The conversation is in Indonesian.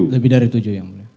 lebih dari tujuh yang mulia